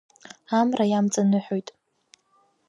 Амра иамҵаныҳәоит.